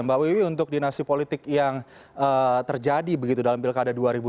mbak wiwi untuk dinasti politik yang terjadi begitu dalam pilkada dua ribu dua puluh